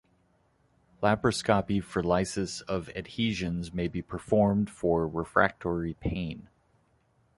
Laparoscopy for lysis of adhesions may be performed for refractory pain.